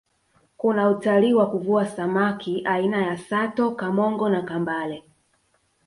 kuna utalii wa kuvua samaki aina ya sato kamongo na kambale